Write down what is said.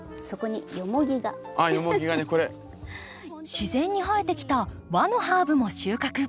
自然に生えてきた和のハーブも収穫。